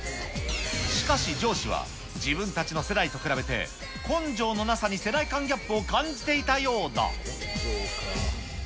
しかし上司は、自分たちの世代と比べて、根性のなさに世代間ギャップを感じていたようだ。